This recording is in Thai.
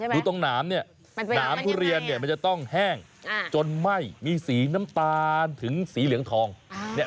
ดูตรงหนามเนี่ยหนามทุเรียนเนี่ยมันจะต้องแห้งจนไหม้มีสีน้ำตาลถึงสีเหลืองทอง